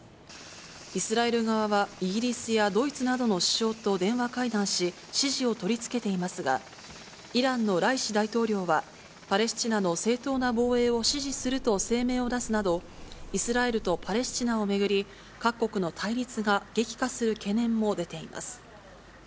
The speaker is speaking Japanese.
イスラエル側は、イギリスやドイツなどの首相と電話会談し、支持を取りつけていますが、イランのライシ大統領は、パレスチナの正当な防衛を支持すると声明を出すなど、イスラエルとパレスチナを巡り、各国の対立が激化する懸念も出ています。